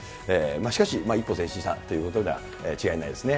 しかし、一歩前進したということには違いないですね。